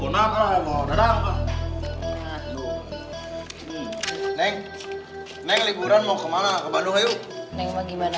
neng neng liburan mau kemana